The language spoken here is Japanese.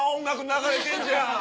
流れてんじゃん。